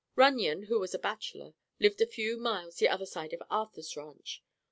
Runyon, who was a bachelor, lived a few miles the other side of Arthur's ranch.